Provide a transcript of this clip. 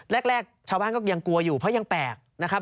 แรกชาวบ้านก็ยังกลัวอยู่เพราะยังแปลกนะครับ